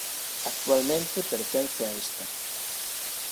Actualmente pertence a esta.